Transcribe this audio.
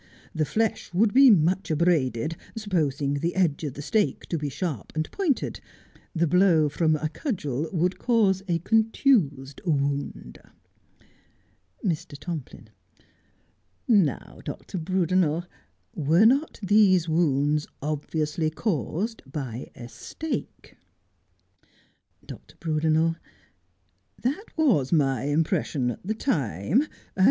The flesh would be much abraded, supposing the edge of the stake to be sharp and pointed. The blow from a cudgel would cause a contused wound. Mr. Tomplin : Now, Dr. Brudenel, were not these wounds obviously caused by a stake 1 Dr. Brudenel : That was my impression at the time, an im 5G Just as I Am.